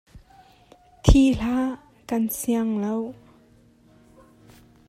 Ṭhung nih thil a raan ter.